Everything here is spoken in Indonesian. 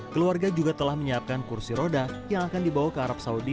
keluarga juga telah menyiapkan kursi roda yang akan dibawa ke arab saudi